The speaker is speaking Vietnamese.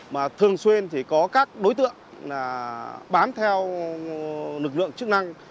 mà thường xuyên thì có các đối tượng bám theo lực lượng chức năng